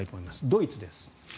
ドイツです。